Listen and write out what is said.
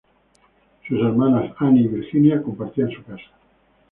Sus hermanas Annie y Virginia compartían su casa.